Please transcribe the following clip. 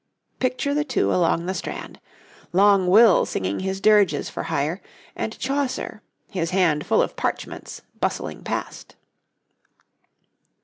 Picture the two along the Strand Long Will singing his dirges for hire, and Chaucer, his hand full of parchments, bustling past.